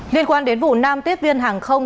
liên quan đến vụ nam tiết viên hàng không